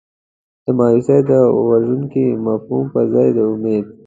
د مایوسۍ د وژونکي مفهوم پر ځای د امید.